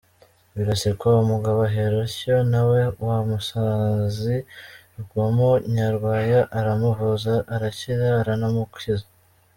Birasekwa umugabo ahera atyo, na we wa musazi Rwugamo, Nyarwaya aramuvuza arakira aranamukiza.